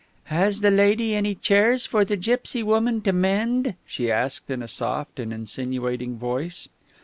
"Has the lady any chairs for the gipsy woman to mend?" she asked in a soft and insinuating voice....